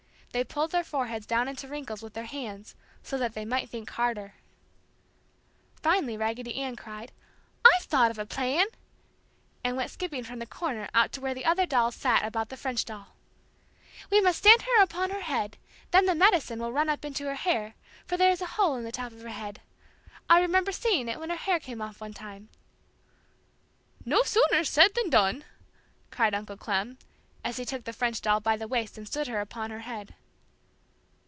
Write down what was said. They pulled their foreheads down into wrinkles with their hands, so that they might think harder. [Illustration: Raggedy Andy winds the music box] Finally Raggedy Ann cried, "I've thought of a plan!" and went skipping from the corner out to where the other dolls sat about the French doll. "We must stand her upon her head, then the 'medicine' will run up into her hair, for there is a hole in the top of her head. I remember seeing it when her hair came off one time!" "No sooner said than done!" cried Uncle Clem, as he took the French doll by the waist and stood her upon her head.